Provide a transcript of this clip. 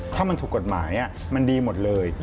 ถ้ามันถูกกฎหมายมันดีหมดเลย